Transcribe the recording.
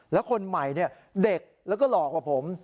แล้วคนใหม่เด็กแล้วก็หลอกกว่าผม